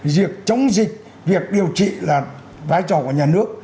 việc chống dịch việc điều trị là vai trò của nhà nước